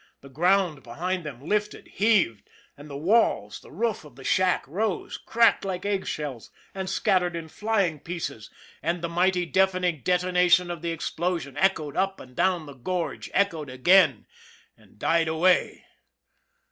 The ground behind them lifted, heaved ; the walls, the roof of the shack rose, cracked like eggshells, and scattered in flying pieces and the mighty, deafening detonation of the explosion echoed up and down the gorge, echoed again and died away.